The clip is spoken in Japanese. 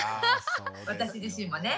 私自身もね。